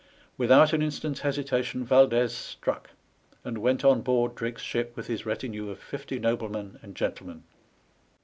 Without an instant's hesitation Yaldez struck, and went on board Drake's ship with his retinue of fifty noblemen and gentlemen.